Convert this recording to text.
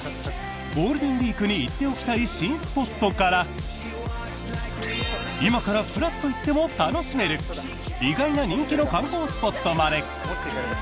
ゴールデンウィークに行っておきたい新スポットから今からふらっと行っても楽しめる意外な人気の観光スポットまで。